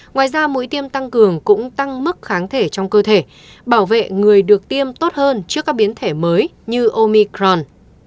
ngoài ra mũi tiêm tăng cường cũng tăng mức kháng thể trong cơ thể bảo vệ người được tiêm tốt hơn trước các biến thể mới như omicron